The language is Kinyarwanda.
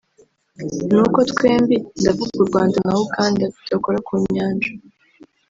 ni uko twembi (ndavuga u Rwanda na Uganda) tudakora ku Nyanja